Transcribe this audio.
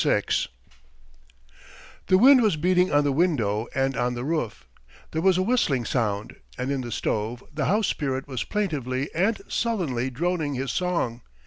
IV The wind was beating on the window and on the roof; there was a whistling sound, and in the stove the house spirit was plaintively and sullenly droning his song.